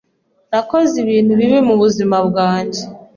Nakoze ibintu bibi mubuzima bwanjye.